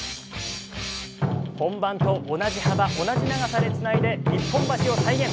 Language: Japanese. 本番と同じ幅、同じ長さでつないで一本橋を再現。